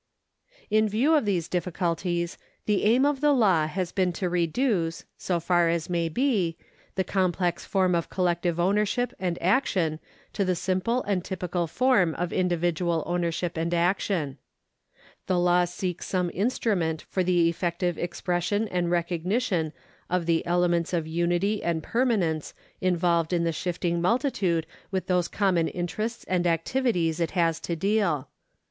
In view of these difficulties the aim of the law has been to reduce, so far as may be, the complex form of collective ownership and action to the simple and typical form of individual ownership and action. The law seeks some instrument for the effective expression and recognition of §117] PERSONS '291 the elements of unity and permanence involved in the shifting multitude with whose common interests and activities it has to deal.